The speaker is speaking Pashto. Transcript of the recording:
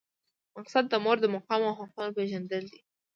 مقصد د مور د مقام او حقونو پېژندل دي.